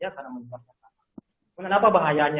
kemudian apa bahayanya